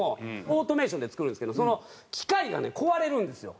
オートメーションで作るんですけどその機械がね壊れるんですよ。